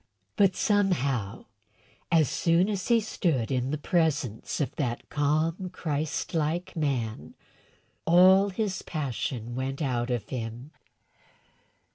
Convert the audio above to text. But, somehow, as soon as he stood in the presence of that calm, Christ like man, all his passion went out of him.